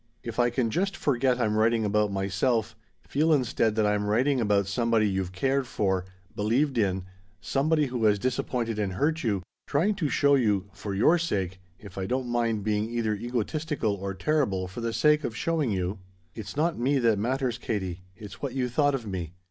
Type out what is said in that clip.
"If I can just forget I'm writing about myself, feel instead that I'm writing about somebody you've cared for, believed in, somebody who has disappointed and hurt you, trying to show you for your sake if I don't mind being either egotistical or terrible for the sake of showing you "It's not me that matters, Katie it's what you thought of me.